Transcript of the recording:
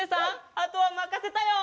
あとはまかせたよ！